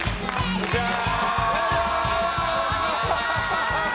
こんにちはー！